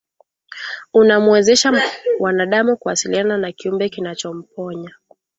unamwezesha wanadamu kuwasiliana na kiumbe kinachomponya